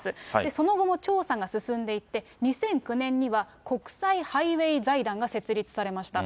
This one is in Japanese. その後も調査が進んでいて、２００９年には、国際ハイウェイ財団が設立されました。